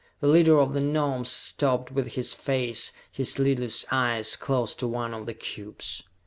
The leader of the Gnomes stopped with his face, his lidless eyes, close to one of the cubes.